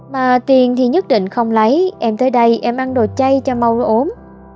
mà tiền thì nhất định không lấy em tới đây em ăn đồ chay cho mau nó ốm